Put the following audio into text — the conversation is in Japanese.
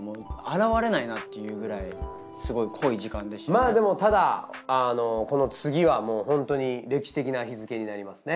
まあでもただこの次はもうホントに歴史的な日付になりますね。